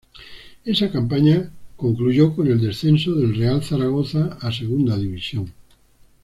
Esa campaña concluyó con el descenso del Real Zaragoza a Segunda División.